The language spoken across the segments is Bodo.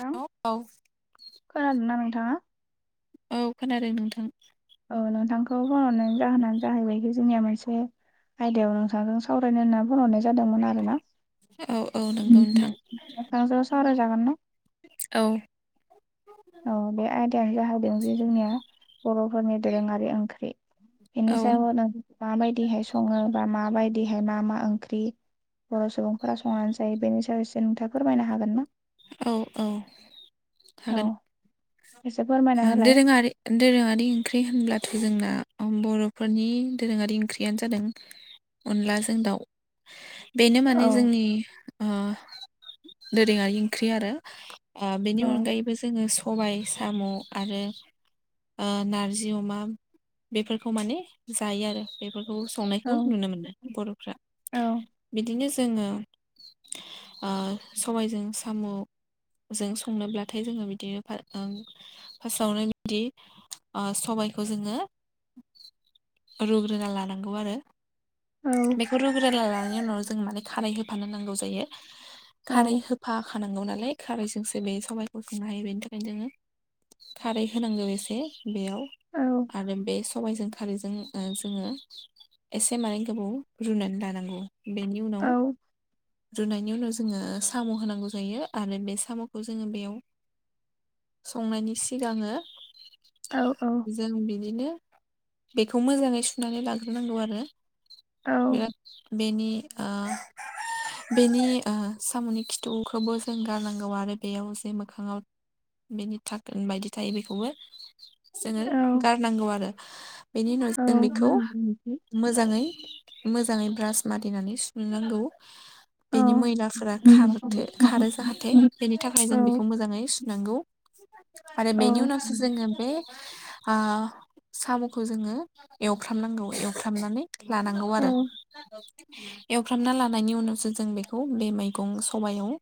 हेलौ औ औ खोनादों ना नोंथाङ औ खोनादों नोंथां औ नोंथांखौ फन हरनायनि जाहोनानो जाहैबायखि जोंनिया मोनसे आयदायाव नोंथांजों सावरायनो होनना फन हरनाय जादोंमोन आरो ना औ औ नंगौ नोंथां नोंथांजों सावरायजागोन ना औ औ बे आयदायानो जाहैदों जे जोंनिया बर'फोरनि दोरोङारि ओंख्रि बेनि औ सायाव नों माबायदिहाय सङो बा माबायदि बेहाय मा मा ओंख्रि बर' सुबुंफोरा संनानै जायो बेनि सायाव नोंथाङा फोरमायनो हागोन ना औ औ औ हागोन एसे फोरमायना होलाय दोरोंआरि ओंख्रि होनब्ला जोंना बर'फोरनि दोरोङारि ओंख्रियानो जादों अनलाजों दाउ बेनो माने औ जोंनि ओ दोरोङारि ओंख्रि आरो ओ बेनि औ अनगायैबो जोङो सबाय साम' आरो ओ नारजि अमा बेफोरखौ माने जायो आरो बे बेखौ औ संनायखौ नुनो मोनो बर'फ्रा औ बिदिनो जोङो ओ सबायजों साम' जों संनोब्लाथाय जोङो बिदिनो फार्स्टआवनो बिदि सबायखौ जोङो रुग्रोना लानांगौ आरो औ बेखौ रुग्रोना लानायनि उनावनो जों माने खारै होफानो नांगौ जायो औ खारै नांगौ नालाय खारैजोंसो बे सबायखौ संनो हायो बेनि थाखायनो जोङो खारै होनांगौ एसे बेयाव औ आरो बे सबायजों खारैजों जोङो एसे मानैे गोबाव रुनानै लानांगौ बेनि उनाव रुनायनि उनाव जोङो साम' होनां नांगौ जायो आरो बे साम'खौ जोङो बेयाव संनायनि सिगाङो औ औ जों बिदिनो बेखौ मोजाङै सुनानै लाग्रोनांगौ आरो औ बिराद बेनि ओ बेनि ओ साम'नि खि खौबो जों गारनांगौ आरो बेयाव जे मोखाङाव बेनि थाखोन बायदि थायो बेखौबो जोङो गारनांगौ आरो बेनि उनाव जों बेखौ मोजाङै मोजां मोजाङै ब्रास मारिनानै सुनो नांगौ बेनि मैलाफोरा खार खारो जाहाथे बेनि थाखाय जों बेखौ मोजाङै सुनांगौ आरो बेनि उनावसो जोङो बेे साम'खौ जोङो एवफ्रामनांगौ एवफ्रामनानै लानांगौ आरो एवफ्रामना लानायनि उनावसो जों बेखौ बे मैगं याव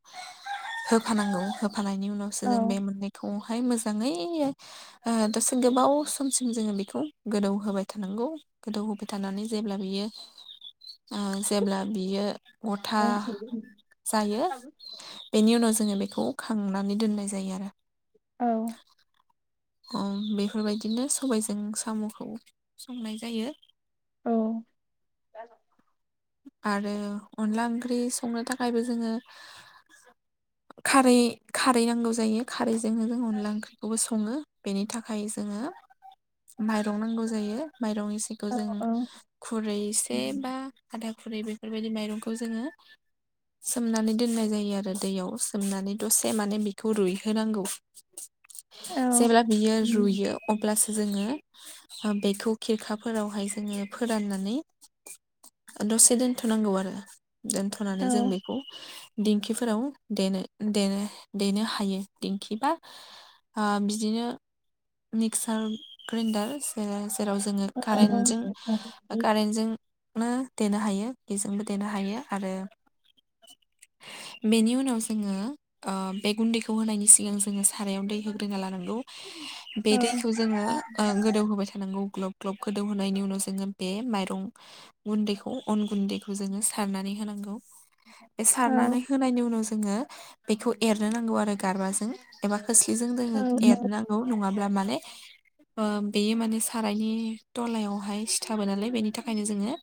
होफानांगौ होफानायनि उनावसो जों बे मोननैखौ बेहाय मोजाङै दसे गोबाव समसिम जोङो बेखौ गोदौ होबाय थानांगौ गोदौ होबाय थानानै जेब्ला बियो जेब्ला बियो गथा जायो बेनि उनाव जोङो बेखौ खांनानै दोननाय जायो आरो औ ओं बेफोरबायदिनो सबायजों साम'खौ संनाय जायो औ आरो अनला ओंख्रि संनो थाखायबो जोङो खारै खारै नांगौ जायो खारै जों अनला ओंख्रिखौबो सङो बेनि थाखाय जोङो माइरं नांगौ जायो माइरंनि सिखौ जों खुरैसे बा आदा खुरै बेफोरबायदि माइरंखौ जोङो सोमनानै दोननाय जायो आरो दैयाव सोमनानै दसे माने बेखौ रुइहोनांगौ जेब्ला बियो रुयो अब्ला जोङो बेखौ खिरखाफोरावहाय जोङो फोराननानै दसे दोनथ'नांगौ आरो दोनथ'नानै जों बेखौ दिंखिफोराव देनो देनो देनो हायो दिंखिबा ओ बिदिनो मिक्सार ग्रिन्दार [unintelligible] जेराव जोङो औ औ कारेन्टजों कारेन्टजों नो देनो हायो बेजोंबो देनो हायो आरो [inaudible] बेनि उनाव जोङो ओ बे गुन्दैखौ होनायनि सिगां जोङो सारायाव दै होग्रोना लानांगौ बे दैखौ जोङो ओ गोदौ होबाय थानांगौ ग्लब ग्लब गोदौहोनायनि उनावसो जोङो बे माइरं गुन्दैखौ अन गुन्दैखौ जोङो सारनानै होनांगौ बे औ सारनानै होनायनि उनाव जोङो बेखौ एरनो नांगौ आरो गारबाजों एबा खोस्लिजों जोङो एरनो नांगौ नङा ब्ला माने ओ बेयो माने सारायनि थलायावहाय सिथाबो नालाय बेनि थाखायनो जोङो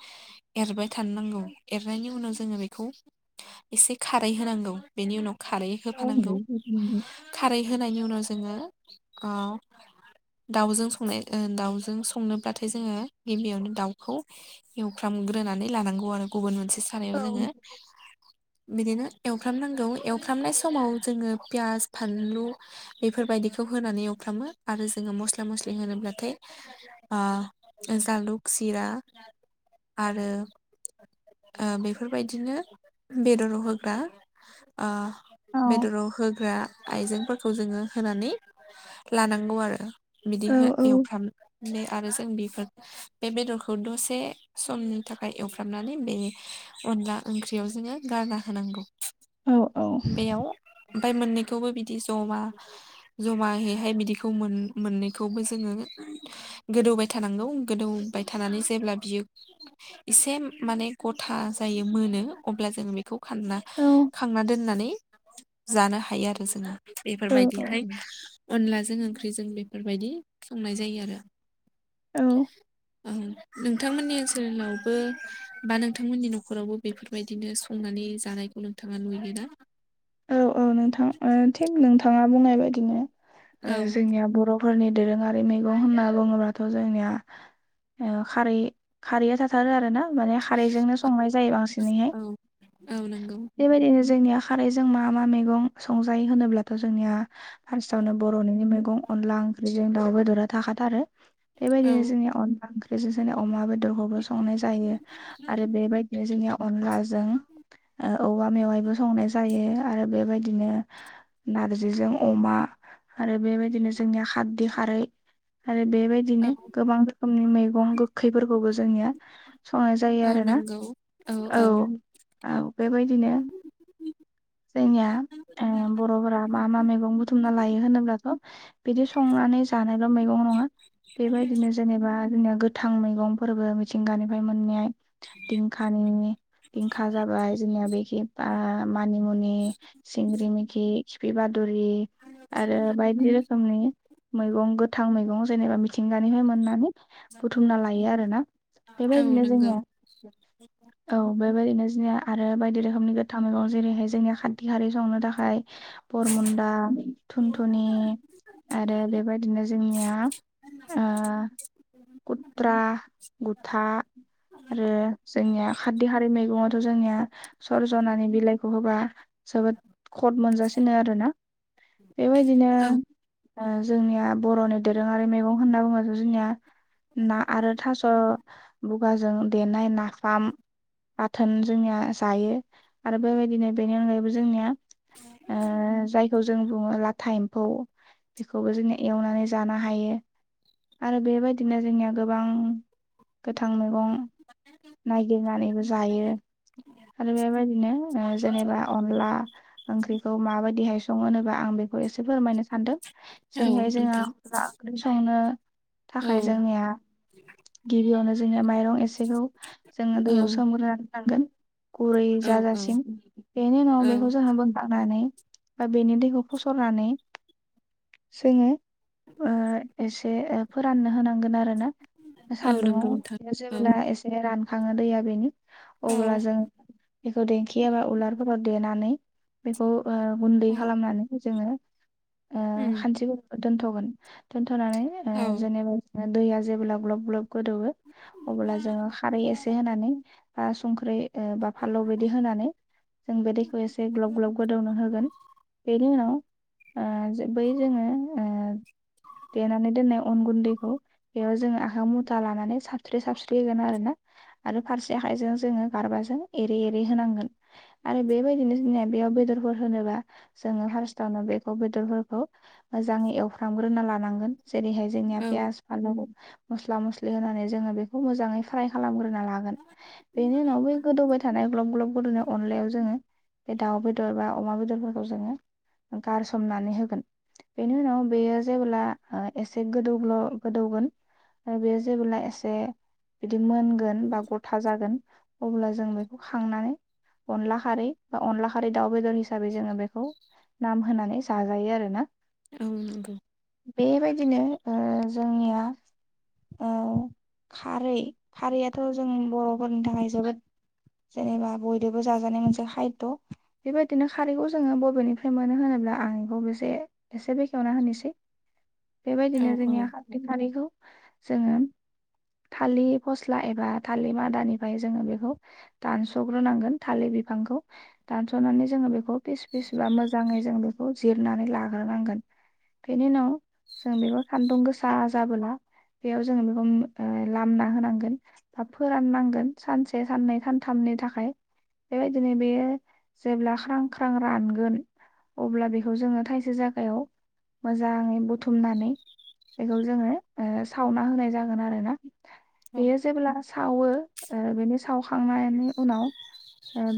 एरबाय थानो नांगौ एरनायनि उनाव जोङो बेखौ एसे खारै होनांगौ बेनि उनाव खारै होफानांगौ खारै होनायनि उनावसो जोङो ओ दाउजों संनाय दाउजों संनोब्लाथाय जोङो गिबियावनो दाउखौ एवफ्रामग्रोनानै लानांगौ आरो गुबुन मोनसे सारायाव जोङो बिदिनो एवफ्रामनांगौ एवफ्रामनाय समाव जोङो पियास फानलु बेफोरबायदि खौ होनानै एवफ्रामो आरो जोङो मस्ला मस्लि होनोब्लाथाय ओ जालुक जिरा आरो ओ बेफोरबायदिनो बेदराव होग्रा ओ बेदराव होग्रा आइजेंफोरखौ जोङो होनानै लानांगौ आरो बिदि हो एवफ्राम [unintelligible] आरो जों बेफोर बे बेदरखौ दसे समनि थाखाय एवफ्रामनानै बे अनला ओंख्रियाव जोङो गारना होनांगौ बेयाव ओमफाय मोननैखौबो बिदि जमा जमायैहाय बिदिखौ मोन मोननैखौबो जोङो गोदौबाय थानांगौ गोदौबाय थानानै जेब्ला बियो [inaudible] एसे माने गथा जायो मोनो अब्ला जोङो बेखौ खानना खांना दोननानै जानो हायो आरो जोंङो बेफोरबायदिहाय अनलाजों ओंख्रिजों बेफोरबायदि संनाय जायो आरो औ ओं नोंथांमोननि ओनसोलावबो बा नोंथांमोननि न'खरावबो बेफोरबायदिनो संनानै जानायखौ नोंथाङा नु योना औ औ नोंथां ओ‌ थिग नोंथाङा बुंनाय बायदिनो ओ औ जोंनिया बर' फोरनि दोरोङारि मैगं होनना बुङोब्लाथ' जोंनिया ओ खारै खारैया जाथारो आरो ना माने खारैजोंनो संनाय जायो बांसिनैहाय औ औ नंगौ बेबायदिनो जोंनिया खारैजों जों मा मा मैगं संजायो होनोब्लाथ' जोंनिया फार्स्टआवनो बर'निनो मैगं अनला ओंख्रि जों दाउ बेदरा थाखाथारो औ बेबायदिनो जोंनि अनला ओंख्रि ओख्रिजों जोंनि अमा बेदरखौबो संनाय जायो आरो बेबायदिनो जोंनि अनलाजों ओ औवा मेवायबो संनाय जायो आरो बेबायदिनो नारजिजों अमा आरो बेबायदिनो जोंनिया खारदि खारै आरो औ बेबायदिनो गोबां रोखोमनि मैगं गोखैफोरखौबो जोंनिया संनाय जायो औ आरोना नंगौ औ औ बेबायदिनो जोंनिया ओ बर'फोरा मा मा मैगं बुथुमना लायो होनोब्लाथ' बिदि संना नै जानायल' मैगं नङा बेबायदिनो जेनबा बिदिनो गोथां मैगंफोरबो मिथिंगानिफ्राय मोननाय दिंखानि दिंखा जाबाय जोंनिया बेखि आ मानि मुनि सिंग्रि मैखि खिपिबा फुरि आरो बायदि रोखोमनि मैगं गोथां मैगं जेनेबा मिथिंगानिफ्राय मोननानै बुथुमना लायो आरोना औ बेबायदिनो नंगौ जोंनियाव औ बेबायदिनो बिदिनो आरो बायदि रोखोमनि गोथां मैगं जेरैहाय जोंनि खाथि हारि संनो थाखाय बरमुन्दा थुनथुनि आरो बेबायदिनो जोंनिया ओ गुद्रा गुथा आरो जोंनिया खारदैहारि मैगङाव जोंनिया सरजनानि बिलाय बेखौ होबा जोबोद खद मोनजासिनो आरोना बेबायदिनो औ ओ जोंनिया बर'नि दोरोङारि मैगं होनना बुङोबाथ जोंनिया ना आरो थास' बुगाजों देनाय ना फाम बाथोन जोंनिया जायो आरो बेबायदिनो बेनि अनगायैबो जोंनिया ओ जायखौ जों बुङो लाथा एम्फौ बेखौबो जोङो एवनानै जानो हायो आरो बेबायदिनो जोंनिया गोबां गोथां मैगं नायगिरनानैबो जायो आरो बेबायदिनो ओ जेनेबा अनला ओंख्रिखौ माबायदिहाय सङो होनोबा आं बेखौ एसे फोरमायनो सान्दों औ जेरैहाय जोंहा नोंथां अनला ओंख्रि संनो औ थाखाय जोंनिया गिबियावनो जोंनिया माइरं एसे खौ जोङो औ दैयाव सोमग्रोनानै लानांगोन गुरै औ औ जाजासिम बेनि उनाव बेखौ औ जोंहा बोखांनानै बा बेनि दैखौ फसरनानै जोङो ओ एसे फोराननो होनांगोन आरो औ नंगौ नोंथां सान्दुङाव जेब्ला औ एसे राना थाङो दैया बेनो अब्ला औ जों बेखौ दै खियाबा उलारफोराव देनानै बेखौ ओ गुन्दै औ खालामनानै जोङो ओ उम खान्थि दोन्थ'गोन दोनथ'नानै औ जेनेबा दैया जेब्ला ग्लब ग्लब गोदौवो अब्ला जोङो खारै एसे होनानै बा संख्रि बा फाललौ बेदि होनानै जों बे दैखौ एसे ग्लब ग्लब गोदौनो होगोन बे बिनि उनाव ओ जो बै जोङो ओ देनानै दोननाय अन गुन्दैखौ बेयाव जोङो आखाइ मुथा लानानै साबस्रि साबस्रि होगोन आरो ना आरो फारसे आखाइजों जोङो गारबाजों एरे एरे होनांगोन आरो बेबायदिनो जोंनिया बेयाव बेदरफोर होनोबा जोङो फार्स्टावनो बेखौ बेदरफोरखौ मोजाङै एवफ्रामग्रोना लानांगोन जेरैहाय जोंनिया औ पियास फानालौ मस्ला मस्लि होनानै जोङो बेखौ मोजाङै फ्राय खालामग्रो ना लागोन बेनि उनाव बै गोदौबाय थानाय ग्लुब ग्लुब गोदौनायाव अनलायाव जोङो बे दाउ बेदर बा अमा बेदरफोरखौ जोङो गारसोमनानै होगोन बेनि उनाव बेयो जेब्ला एसे गोदौगल' गोदौगोन बेयो जेब्ला एसे बिदि मोनगोन बा गथा जागोन अब्ला जों बेखौ खांनानै अनला खारै बा अनला खारै दाउ बेदर हिसाबै जोङो बेखौ नाम होनानै जाजायो आरो ना औ नंगौ बेबायदिनो जोंनिया औ खारै खारैयाथ' जों बर'फोरनि थाखाय जोबोद जेनेबा बयदोबो जाजानाय मोनसे खायद' बेबायदिनो खारैखौ जोङो बबेनिफ्राय मोनो होनोब्ला आं बेखौ बेसे एसे बेखेवना होनोसै औ बेबायदिनो जोंनिया खारैखौ जोङो थालिर फस्ला एबा थालिर मादानिफ्राय जोङो बेखौ दानस'ग्रोनांगोन थालिर बिफांखौ दानस'नानै जोङो बेखौ पिस-फिस बा मोजाङै जों बेखौ जिरनानै लाग्रोनांगोन बेनि उनाव जों बेखौ खान्दुं गोसा जाबोला बेयाव जोङो बेखौ लामना होनांगोन बा फोराननांगोन सानसे साननै सान थामनि थाखाय बेबायदिनो बेयो जेब्ला ख्रां ख्रां रानगोन अब्ला बेखौ जोङो थाइसे जायगायाव मोजाङै बुथुमनानै बेखौ जोङो सावना होनाय जागोन आरो ना औ बेयो जेब्ला सावो बेनि सावखांनाय नि उनाव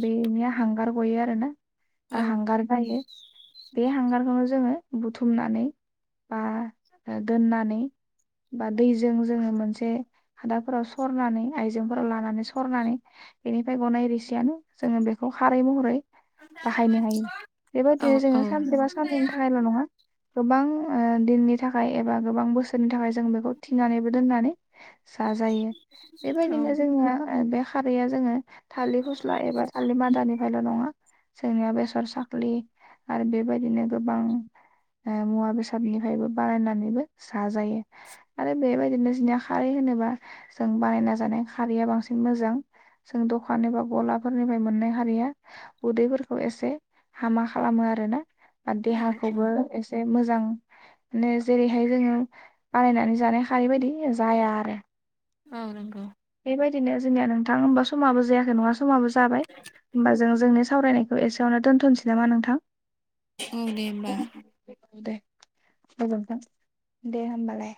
बेनिया हांगार गयो आरो ना बा औ हांगार जायो बे हांगारखौनो जोङो बुथुमनानै बा दोननानै बा दैजों जोङो मोनसे खादाफोराव सरनानै आइजेंफोराव लानानै सरनानै बेनिफ्राय गनाय रिसियानो जोङो बेखौ खारै महरै बाहायनो हायो औ बेबायदिनो जोङो सानसेबा साननैनि थाखायल' नङा गोबां दिननि थाखाय एबा गोबां बोसोरनि थाखाय जों बेखौ थिनानैबो दोननानै जा जायो बेबायदिनो जोङो बे खारैया जोङो थालिर फस्ला एबा थालिर मादानिफ्रायल' नङा जोंनिया बेसर साखलि आरो बेबायदिनो गोबां मुवा बेसादनिफ्रायबो बानायनानैबो जाजायो आरो बेबायदिनो जोंनिया खारै हो नोबा जों बानायना जानाय खारैया बांसिन मोजां जों दखान एबा गलाफोरनिफ्राय मोननाय खारैया उदैफोरखौ एसे हामा खालामो आरोना औ औ देहाखौबो एसे मोजां नै जेरैहाय जोङो बानायनानै जानाय खारै बायदि जाया आरो औ नंगौ बेबायदिनो जोंनिया नोंथां होमबा समाबो जायाखै नङा समाबो जाबाय होमबा जों जोंनि सावरायनायखौ एसेयावनो दोनथ'नोसै नामा नोंथां। औ दे होनबा। दे गोजोनथों दे होनबालाय।